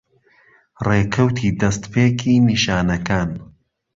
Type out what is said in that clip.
ڕێکەوتی دەستپێکی نیشانەکان